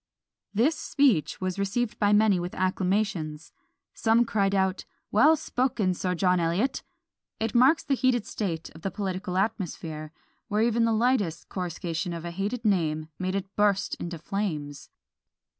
This speech was received by many with acclamations; some cried out, "Well spoken, Sir John Eliot!" It marks the heated state of the political atmosphere, where even the lightest coruscation of a hated name made it burst into flames!